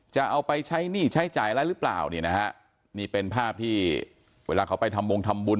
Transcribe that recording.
จะเอาไปใช้หนี้ใช้จ่ายอะไรหรือเปล่านี่นะฮะนี่เป็นภาพที่เวลาเขาไปทำวงทำบุญ